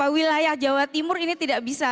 wilayah jawa timur ini tidak bisa